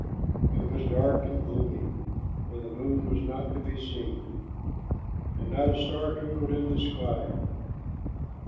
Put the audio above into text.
It was dark and gloomy, for the moon was not to be seen, and not a star twinkled in the sky.